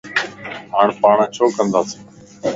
ھاڻ پاڻ ڇو ڪنداسين؟